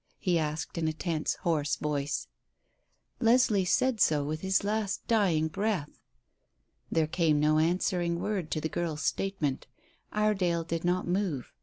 he asked, in a tense, hoarse voice. "Leslie said so with his last dying breath." There came no answering word to the girl's statement. Iredale did not move.